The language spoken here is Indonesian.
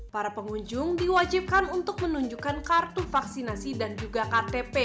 para pengunjung diwajibkan untuk menunjukkan kartu vaksinasi dan juga ktp